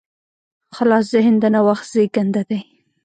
خلاص ذهن د نوښت زېږنده دی.